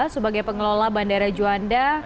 sebagai pengelola bandara johanda